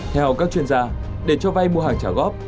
theo các chuyên gia để cho vay mua hàng trả góp